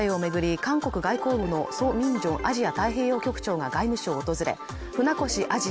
韓国外交部のソ・ミンジョンアジア太平洋局長が外務省を訪れ船越アジア